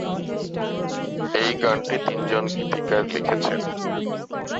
এই গানটি তিনজন গীতিকার লিখেছেন।